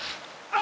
あ！